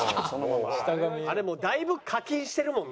あれもうだいぶ課金してるもんね。